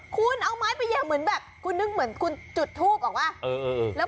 คุณเอาไม้ไปแห่เหมือนจุดทูปออกปะ